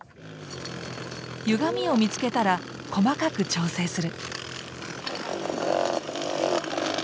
歪みを見つけたら細かく調整する。